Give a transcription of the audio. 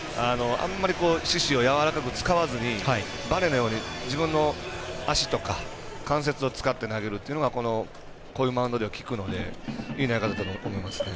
あんまり四肢をやわらかく使わずにバネのように自分の足とか関節を使って投げるっていうのがこういうマウンドでは効くのでいい投げ方だと思いますね。